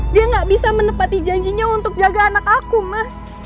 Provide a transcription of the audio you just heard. dia gak bisa menepati janjinya untuk jaga anak aku mah